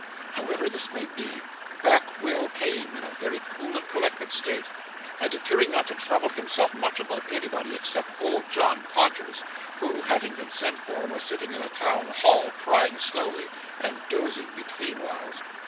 However this may be, back Will came in a very cool and collected state, and appearing not to trouble himself much about anybody except old John Podgers, who, having been sent for, was sitting in the Town Hall crying slowly, and dozing between whiles.